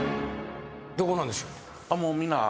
どこなんでしょう？は？